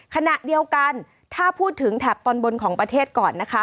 ขณะเดียวกันถ้าพูดถึงแถบตอนบนของประเทศก่อนนะคะ